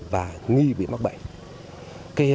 và nghi bị mắc bệnh